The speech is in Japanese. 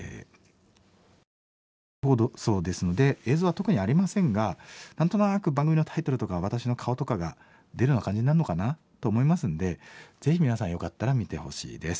ラジオの再放送ですので映像は特にありませんが何となく番組のタイトルとか私の顔とかが出るような感じになるのかなと思いますんでぜひ皆さんよかったら見てほしいです。